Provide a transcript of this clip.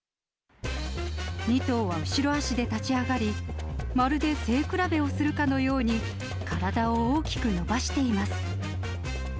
２頭は後ろ足で立ち上がり、まるで背比べをするかのように体を大きく伸ばしています。